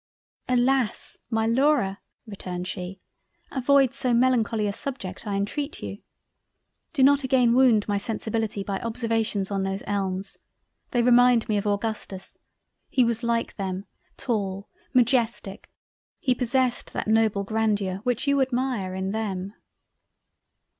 "Alas! my Laura (returned she) avoid so melancholy a subject, I intreat you. Do not again wound my Sensibility by observations on those elms. They remind me of Augustus. He was like them, tall, magestic—he possessed that noble grandeur which you admire in them."